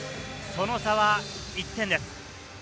その差は１点です。